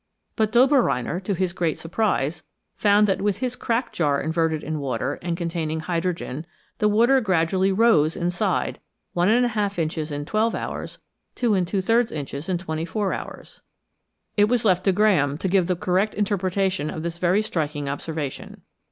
But Dobereiner, to his great surprise, found that with his cracked jar inverted in water and containing hydrogen, the water gradually rose inside, Ij inches in 12 hours, 2| inches in 24 hours. It was left to Graham to give the correct interpreta tion of this very striking observation.